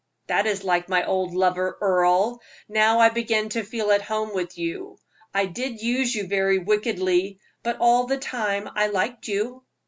"That is like my old lover, Earle; now I begin to feel at home with you. I did use you very wickedly, but all the time I liked you."